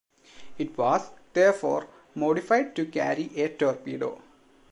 It was therefore modified to carry a torpedo.